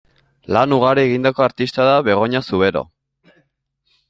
Lan ugari egindako artista da Begoña Zubero.